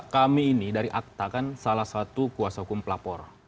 kami ini dari akta kan salah satu kuasa hukum pelapor